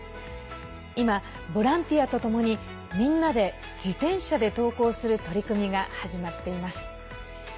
今、ボランティアとともにみんなで自転車で登校する取り組みが始まっています。